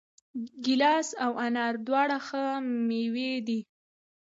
ګیلاس او انار دواړه ښه مېوې دي.